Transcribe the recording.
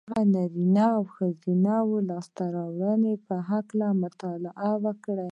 د هغو نارینهوو او ښځو د لاسته رواړنو په هکله مطالعه وکړئ